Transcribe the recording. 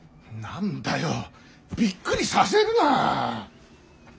何だよびっくりさせるな。